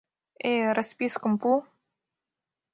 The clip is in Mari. Э... роспискым пу.